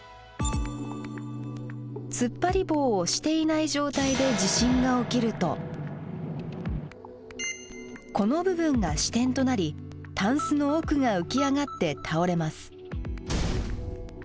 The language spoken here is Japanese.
つっぱり棒をしていない状態で地震が起きるとこの部分が支点となりタンスの奥が浮き上がって倒れます。